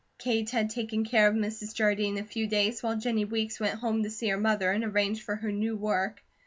Kate had taken care of Mrs. Jardine a few days while Jennie Weeks went home to see her mother and arrange for her new work.